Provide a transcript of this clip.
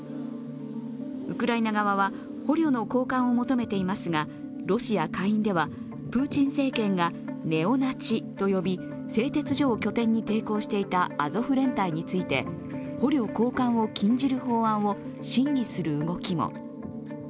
ウクライナ側は捕虜の交換を求めていますがロシア下院では、プーチン政権がネオナチと呼び製鉄所を拠点に抵抗していたアゾフ連隊について捕虜交換を禁じる法案を審議する動きも。